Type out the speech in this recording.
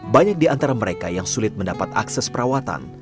banyak di antara mereka yang sulit mendapat akses perawatan